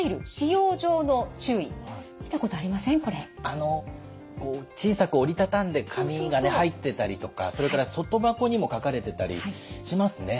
あの小さく折り畳んで紙がね入ってたりとかそれから外箱にも書かれてたりしますね。